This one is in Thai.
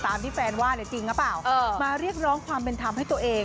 ตามที่แฟนว่าจริงกับเปล่ามาเรียกร้องความเป็นทำให้ตัวเอง